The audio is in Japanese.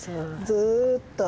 ずっと。